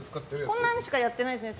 こんなのしかやってないですね